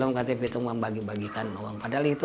saya mengatakan si pitung membagikan uang